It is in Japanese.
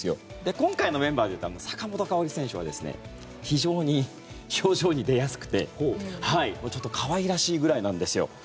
今回のメンバーで言ったら坂本花織選手は非常に表情に出やすくて可愛らしいぐらいなんですよ。